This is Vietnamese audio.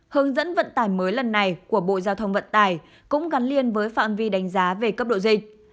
hướng dẫn vận tải mới lần này của bộ giao thông vận tải cũng gắn liền với phạm vi đánh giá về cấp độ dây